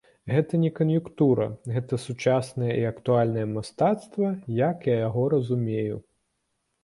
Гэта не кан'юнктура, гэта сучаснае і актуальнае мастацтва, як я яго разумею.